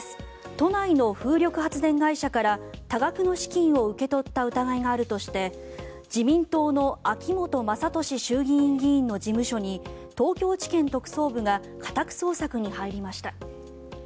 都内の風力発電会社から多額の資金を受け取った疑いがあるとして自民党の秋本真利衆議院議員の事務所に東京地検特捜部が家宅捜索に入りました。